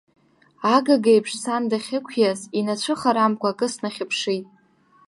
Агагеиԥш, сан дахьықәиаз инацәыхарамкәа, акы снахьыԥшит.